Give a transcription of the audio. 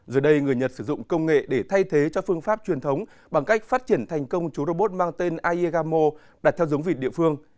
giờ đây người nhật sử dụng công nghệ để thay thế cho phương pháp truyền thống bằng cách phát triển thành công chú robot mang tên aigamo đặt theo giống vịt địa phương